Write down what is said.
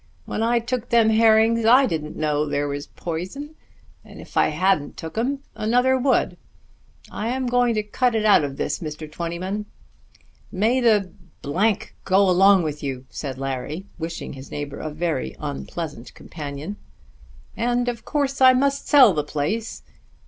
When I took them herrings I didn't know there was p'ison; and if I hadn't took 'em, another would. I am going to cut it out of this, Mr. Twentyman." "May the go along with you!" said Larry, wishing his neighbour a very unpleasant companion. "And of course I must sell the place.